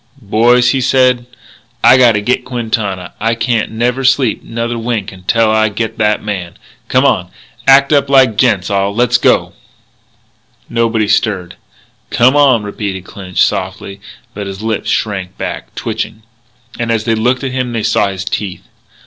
"Boys," he said, "I gotta get Quintana. I can't never sleep another wink till I get that man. Come on. Act up like gents all. Let's go." Nobody stirred. "Come on," repeated Clinch softly. But his lips shrank back, twitching. As they looked at him they saw his teeth.